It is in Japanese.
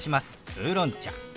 「ウーロン茶」。